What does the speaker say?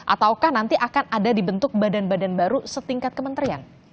ataukah nanti akan ada dibentuk badan badan baru setingkat kementerian